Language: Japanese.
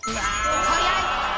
早い！